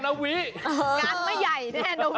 งานมะใหญ่แน่นวิ